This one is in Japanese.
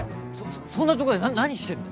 そんなところで何してんの？